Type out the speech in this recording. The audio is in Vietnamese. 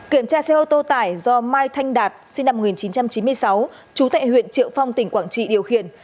kiểm tra xe ô tô tải do mai thanh đạt sinh năm một nghìn chín trăm chín mươi sáu trú tại huyện triệu phong tỉnh quảng trị điều khiển